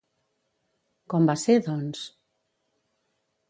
Com va ser, doncs?